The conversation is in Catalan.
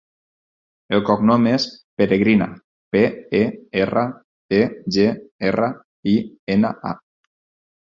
El cognom és Peregrina: pe, e, erra, e, ge, erra, i, ena, a.